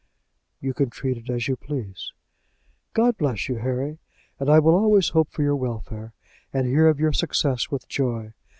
"You can treat it as you please." "God bless you, Harry; and I will always hope for your welfare, and hear of your success with joy.